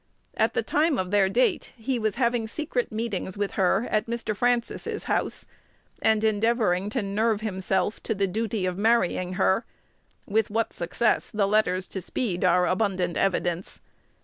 At the time of their date, he was having secret meetings with her at Mr. Francis's house, and endeavoring to nerve himself to the duty of marrying her, with what success the letters to Speed are abundant evidence.